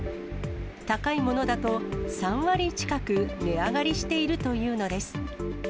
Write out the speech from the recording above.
高いものだと３割近く値上がりしているというのです。